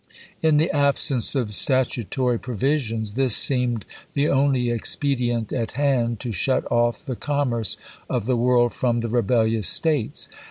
In the absence of statutory provisions this seemed the only expedient at hand to shut off the com merce of the world from the rebellious States.